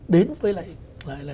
đến với lại